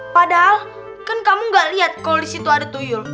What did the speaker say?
padahal kan kamu gak liat kalo disitu ada tuyul